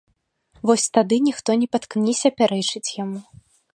Вось тады ніхто не паткніся пярэчыць яму.